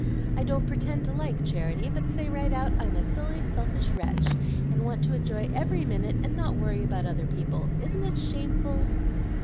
I don't pretend to like charity, but say right out I'm a silly, selfish wretch, and want to enjoy every minute, and not worry about other people. Isn't it shameful?"